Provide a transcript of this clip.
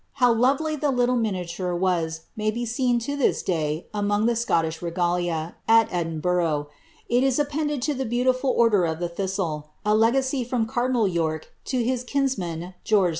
How lovely the little miniature was, may be seen to this day among the Scottish regalia, at Edinburgh ; it is appended to the beautiful Order of the Thistle, a legacy from cardinal York to his kins man, George IV.